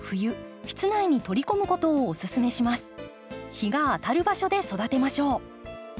日が当たる場所で育てましょう。